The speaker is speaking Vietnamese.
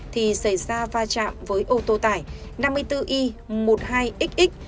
thì xảy ra va chạm với ô tô tải năm mươi bốn i một mươi hai xx